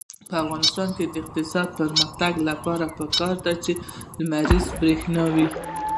د افغانستان د اقتصادي پرمختګ لپاره پکار ده چې لمریزه برښنا وي.